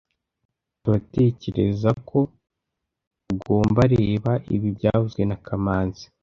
turatekerezako ugombareba ibi byavuzwe na kamanzi